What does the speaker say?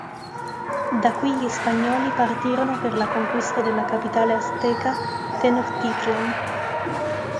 Da qui gli spagnoli partirono per la conquista della capitale Azteca Tenochtitlán.